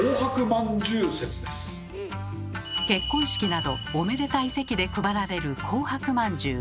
結婚式などおめでたい席で配られる紅白まんじゅう。